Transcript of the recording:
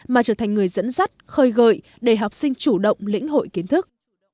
mà trở thành người dẫn dắt khơi gợi để học sinh chủ động lĩnh hội kiến thức